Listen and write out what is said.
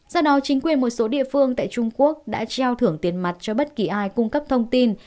do đó chính quyền một số địa phương tại trung quốc đã treo thưởng tiền mặt cho bất kỳ ai cung cấp thông tin